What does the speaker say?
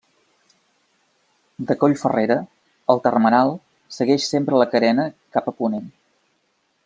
De Coll Ferrera, el termenal segueix sempre la carena cap a ponent.